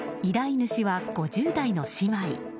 依頼主は５０代の姉妹。